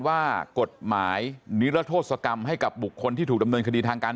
ว่ากฎหมายนิรโทษกรรมให้กับบุคคลที่ถูกดำเนินคดีทางการ